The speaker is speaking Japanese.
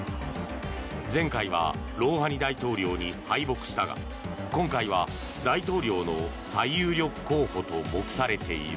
前回はロウハニ大統領に敗北したが今回は大統領の最有力候補と目されている。